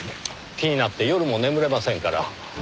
気になって夜も眠れませんから。